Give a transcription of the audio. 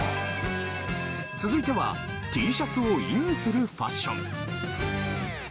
続いてはＴシャツをインするファッション。